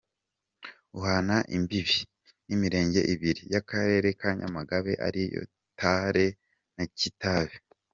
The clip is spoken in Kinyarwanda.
Uhana imbibe n’imirenge ibiri y’Akarere ka Nyamagabe ari yo Tare na Kitabi.